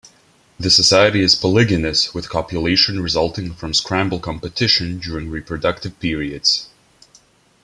The society is polygynous with copulation resulting from scramble competition during reproductive periods.